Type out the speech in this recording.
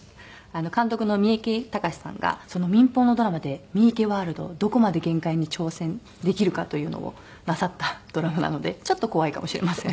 監督の三池崇史さんが民放のドラマで三池ワールドをどこまで限界に挑戦できるかというのをなさったドラマなのでちょっと怖いかもしれません。